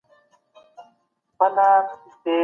مونږ بايد تل د نويو افکارو او نظرياتو هرکلی او درناوی وکړو.